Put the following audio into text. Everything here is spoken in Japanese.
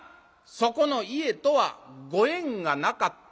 そこの家とはご縁がなかったっちゅうの。